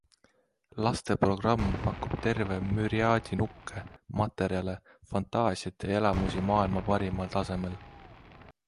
Lasteprogramm pakub terve müriaadi nukke, materjale, fantaasiat ja elamusi maailma parimal tasemel.